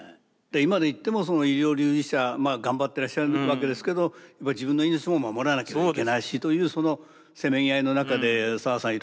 今で言っても医療従事者頑張ってらっしゃるわけですけど自分の命も守らなきゃいけないしというそのせめぎ合いの中で澤さん